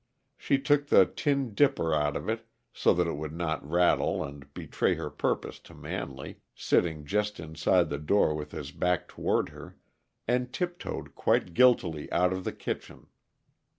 She took the tin dipper out of it, so that it would not rattle and betray her purpose to Manley, sitting just inside the door with his back toward her, and tiptoed quite guiltily out of the kitchen.